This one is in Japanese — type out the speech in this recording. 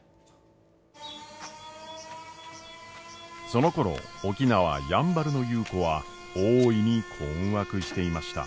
そのころ沖縄やんばるの優子は大いに困惑していました。